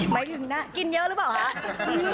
ไม่รู้นะกินเยอะรึเปล่าฮะ